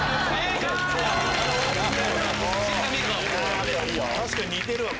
確かに似てるわ声。